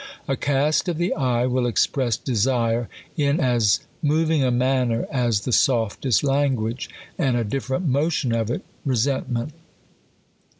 A cast of the eye will express desine in as moving a manner as the softest language ; and adiffer ent motion of it, resentment.